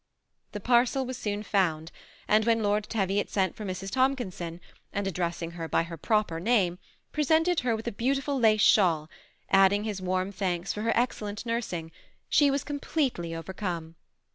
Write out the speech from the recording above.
The parcel iras soon found, and when Lord Teviot at for Mrs. Tomkinson, and addressing her by her oper name, presented her with a beautiful lace shawl, ding his warm thanks for her excellent nursing, she IS completely overcome.